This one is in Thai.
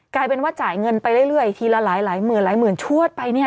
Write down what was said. กลายเป็นว่าจ่ายเงินไปเรื่อยทีละหลายหมื่นหลายหมื่นชวดไปเนี่ย